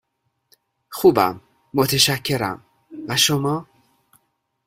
خوبم، متشکرم، و شما؟